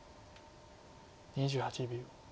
２８秒。